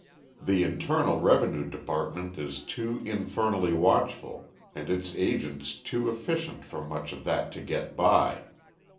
The Internal Revenue Department is too infernally watchful and its agents too efficient for much of that to get by.